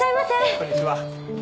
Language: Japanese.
こんにちは。